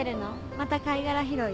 また貝殻拾い？